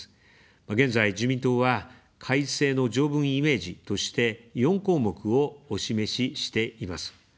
現在、自民党は改正の条文イメージとして、４項目をお示ししています。